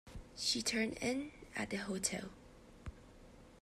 She turned in at the hotel.